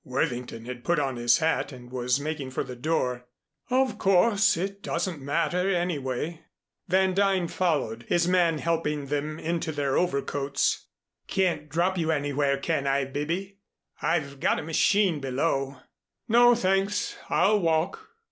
Worthington had put on his hat and was making for the door. "Of course it doesn't matter anyway." Van Duyn followed, his man helping them into their overcoats. "Can't drop you anywhere, can I, Bibby? I've got the machine below." "No, thanks. I'll walk."